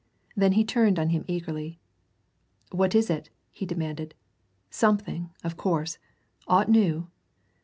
Then he turned on him eagerly. "What is it?" he demanded. "Something, of course! Aught new?"